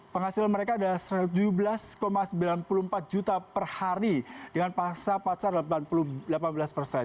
penghasil mereka adalah satu ratus tujuh belas sembilan puluh empat juta per hari dengan pasar pasar adalah sembilan puluh delapan persen